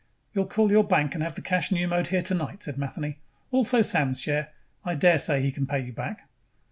"You'll call your bank and have the cash pneumoed here tonight," said Matheny. "Also Sam's share. I daresay he can pay you back."